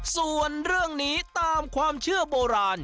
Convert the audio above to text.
ส่วนเรื่องนี้ตามความเชื่อโบราณ